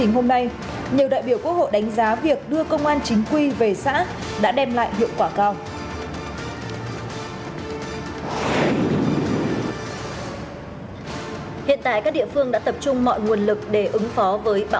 hãy đăng ký kênh để ủng hộ kênh của chúng mình nhé